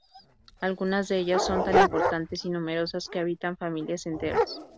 Algunas de ellas son tan importantes y numerosas que habitan familias enteras.